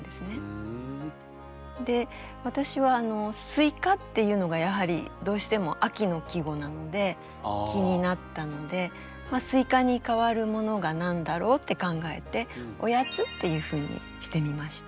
で私は「スイカ」っていうのがやはりどうしても秋の季語なので気になったので「スイカ」に代わるものが何だろうって考えて「おやつ」っていうふうにしてみました。